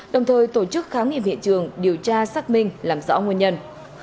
đồng thời tổ chức kháng nghiệm hiện trường điều tra xác minh làm rõ nguồn nhân